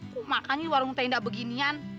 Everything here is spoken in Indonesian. kok makan di warung tenda beginian